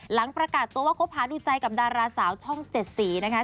หลังประกาศตัวว่าคบหาดูใจกับดาราสาวช่อง๗สีนะคะ